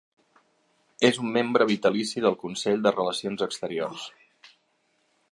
És un membre vitalici del Consell de Relacions Exteriors.